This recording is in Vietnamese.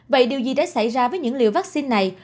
vậy điều gì đã xảy ra với những nước này